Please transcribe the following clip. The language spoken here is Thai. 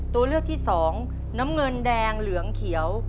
ตัวเลือกที่สองน้ำเงินแดงเหลืองเขียว